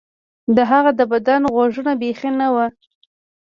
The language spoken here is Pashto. د هغه د بدن غوږونه بیخي نه وو